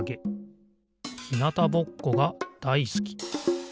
ひなたぼっこがだいすき。